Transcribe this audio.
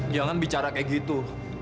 jangan bicara kayak gitu